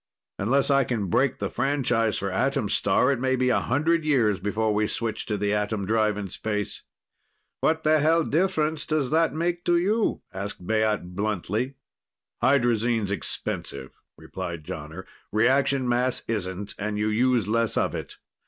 Unless I can break the franchise for Atom Star, it may be a hundred years before we switch to the atom drive in space." "What the hell difference does that make to you?" asked Baat bluntly. "Hydrazine's expensive," replied Jonner. "Reaction mass isn't, and you use less of it.